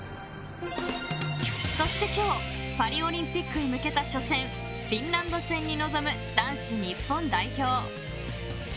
そして、今日パリオリンピックへ向けた初戦フィンランド戦へ臨む男子日本代表。